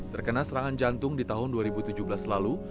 terkena serangan jantung di tahun dua ribu tujuh belas lalu